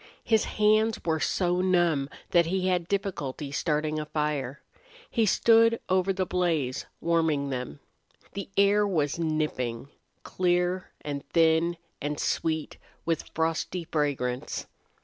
His hands were so numb that he had difficulty starting a fire. He stood over the blaze, warming them. The air was nipping, clear and thin, and sweet with frosty fragrance.